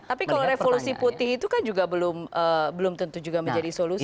tapi kalau revolusi putih itu kan juga belum tentu juga menjadi solusi